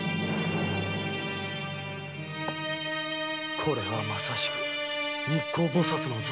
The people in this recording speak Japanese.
これはまさしく「日光菩薩像」。